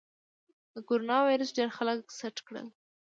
د کرونا ویروس ډېر خلک سټ کړل.